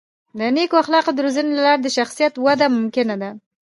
د نیکو اخلاقو د روزنې له لارې د شخصیت وده ممکنه ده.